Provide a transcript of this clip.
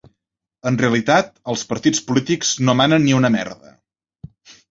En realitat, els partits polítics no manen ni una merda.